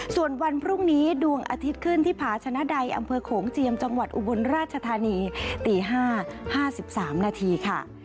ส่วนวันพรุ่งนี้ดวงอาทิตย์ขึ้นที่ผาชนะใดอำเภอโขงเจียมจังหวัดอุบลราชธานีตี๕๕๓นาทีค่ะ